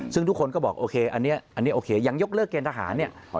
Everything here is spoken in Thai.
ซึ่งทุกคนก็บอกโอเคอันนี้โอเคยังยกเลิกเกณฑหารเนี่ย